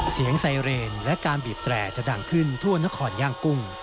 ไซเรนและการบีบแตรจะดังขึ้นทั่วนครย่างกุ้ง